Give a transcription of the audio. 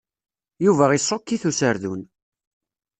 Yuba iṣukk-it userdun.